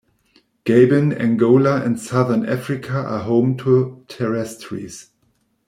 Gabon, Angola, and southern Africa are home to "terrestris".